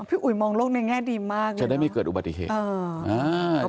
พี่อุ๋ยมองโลกในแง่ดีมากเลยนะจะได้ไม่เกิดอุบัติเหตุอ่า